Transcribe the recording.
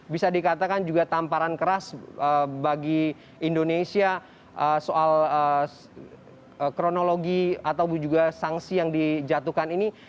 bisa dikatakan juga tamparan keras bagi indonesia soal kronologi atau juga sanksi yang dijatuhkan ini